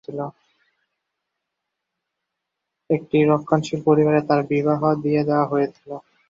একটি রক্ষণশীল পরিবারে তাঁর বিবাহ দিয়ে দেওয়া হয়েছিল।